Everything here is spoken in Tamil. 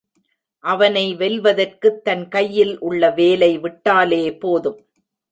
அவனை வெல்வதற்குத் தன் கையில் உள்ள வேலை விட்டாலே போதும்.